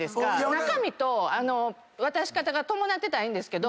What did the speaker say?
中身と渡し方が伴ってたらいいんですけど。